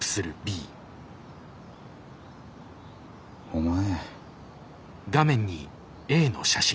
お前。